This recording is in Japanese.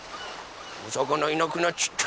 おさかないなくなっちゃった。